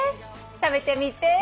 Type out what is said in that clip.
食べてみて。